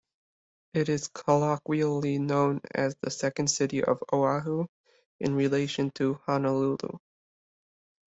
It is colloquially known as the "second city" of Oahu, in relation to Honolulu.